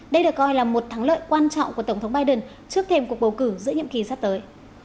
đây được coi là một thắng lợi quan trọng của tổng thống biden trước thềm cuộc bầu cử giữa nhiệm kỳ sắp tới